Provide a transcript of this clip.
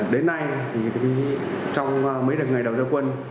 đến nay trong mấy đợt ngày đầu giao quân